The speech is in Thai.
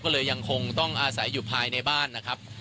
ก็เลยยังคงต้องอาศัยอยู่ภายในบ้านนะครับ